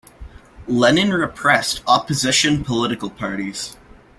Lenin repressed opposition political parties.